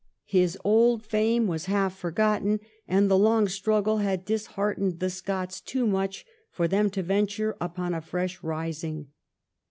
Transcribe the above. His old fame was half forgotten, and the long struggle had disheartened the Scots too much for them to venture upon a fresh rising.